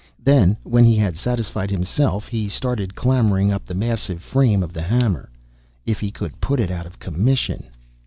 Then, when he had satisfied himself, he started clambering up the massive frame of the hammer. If he could put it out of commission!